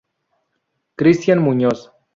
Cristian Muñoz.